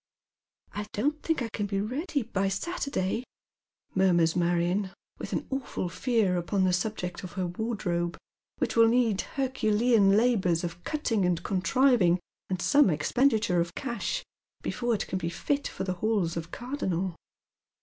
"" I don't think I could be ready by Saturday," murmurs Marion, with an awful fear upon the subject of her wardrobe, which will need herculean labours of cutting and contri^'ing, and some expenditure of cash, before it can be fit for the balls of Car donnel, 188 Dead Metis Shoes.